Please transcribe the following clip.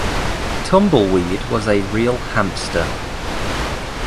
Tumbleweed was a real hamster.